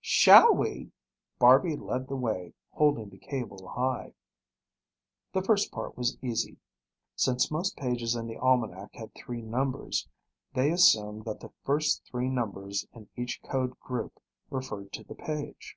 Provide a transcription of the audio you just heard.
"Shall we!" Barby led the way, holding the cable high. The first part was easy. Since most pages in the Almanac had three numbers, they assumed that the first three numbers in each code group referred to the page.